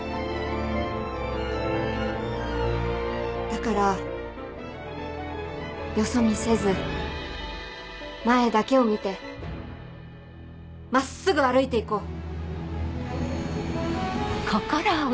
だからよそ見せず前だけを見て真っすぐ歩いて行こう。